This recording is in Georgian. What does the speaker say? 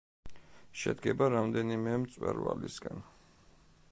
შედგება რამდენიმე მწვერვალისგან.